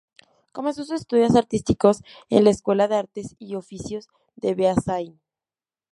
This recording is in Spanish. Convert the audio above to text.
Comenzó sus estudios artísticos en la Escuela de Artes y Oficios de Beasain.